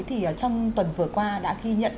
thì trong tuần vừa qua đã ghi nhận